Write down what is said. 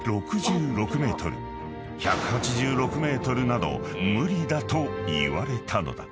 ［１８６ｍなど無理だと言われたのだ］